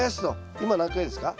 今何回ですか？